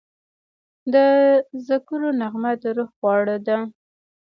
د ذکرو نغمه د روح خواړه ده.